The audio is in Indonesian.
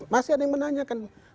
masih ada yang menanyakan